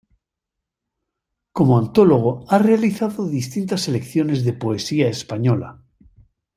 Como antólogo ha realizado distintas selecciones de poesía española.